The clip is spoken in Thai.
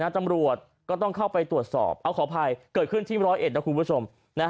ตำรวจก็ต้องเข้าไปตรวจสอบเอาขออภัยเกิดขึ้นที่ร้อยเอ็ดนะคุณผู้ชม